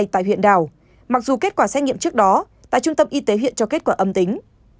tại huyện đảo mặc dù kết quả xét nghiệm trước đó tại trung tâm y tế hiện cho kết quả âm tính